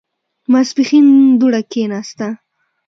ماسپښين دوړه کېناسته.